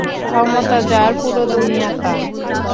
ক্ষমতা যার, পুরো দুনিয়া তার।